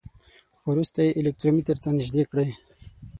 وروسته یې الکترومتر ته نژدې کړئ.